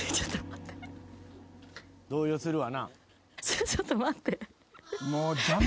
動揺するわな。